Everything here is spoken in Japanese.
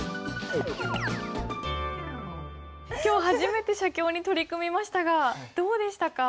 今日初めて写経に取り組みましたがどうでしたか？